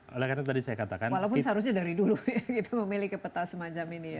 walaupun seharusnya dari dulu kita memiliki peta semacam ini ya